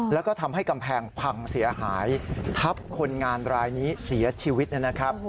แล้วก็ทำให้กำแพงพังเสียหายทับคนงานรายนี้เสียชีวิตนะครับ